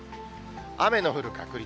雨の降る確率。